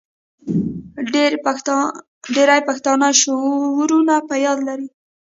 ډیری پښتانه شعرونه په یاد لري.